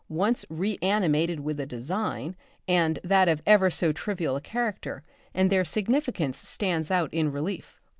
Once re animated with a design, and that of ever so trivial a character, and their significance stands out in relief.